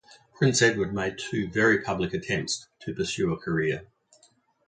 Prince Edward made two very public attempts to pursue a career.